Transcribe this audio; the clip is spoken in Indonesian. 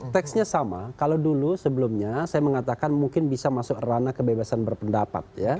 tekstnya sama kalau dulu sebelumnya saya mengatakan mungkin bisa masuk erana kebebasan berpendapat ya